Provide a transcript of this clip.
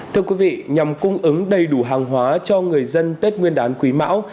thưa quý vị nhằm cung ứng đầy đủ hàng hóa cho người dân tết nguyên đán quý mão